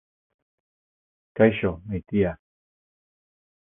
Kaixo, maitia.